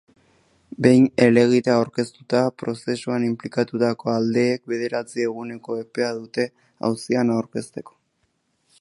Behin helegitea aurkeztuta, prozesuan inplikatutako aldeek bederatzi eguneko epea dute auzian aurkezteko.